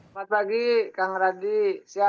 selamat pagi kang radio